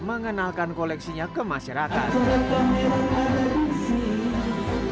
mengenalkan koleksinya ke masyarakat